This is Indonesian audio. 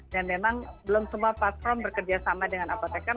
dan memang belum semua platform bekerja sama dengan apotekar